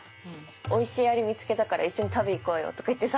おいしいアリ見つけたから一緒に食べに行こうよとか言ってさ。